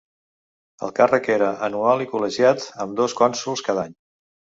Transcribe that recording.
El càrrec era anual i col·legiat, amb dos cònsols cada any.